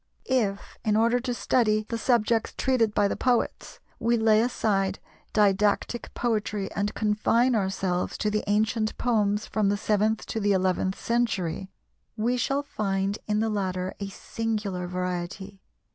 If, in order to study the subjects treated by the poets, we lay aside didactic poetry and confine ourselves to the ancient poems from the seventh to the eleventh century, we shall find in the latter a singular variety.